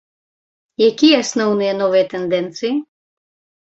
Якія асноўныя новыя тэндэнцыі?